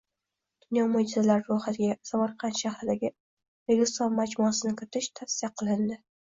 Dunyo moʻjizalari roʻyxatiga Samarqand shahridagi Registon majmuasini kiritish tavsiya qilindi.